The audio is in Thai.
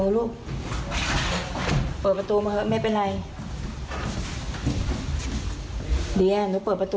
ลูกยอบมาให้เราอัศไลก่อน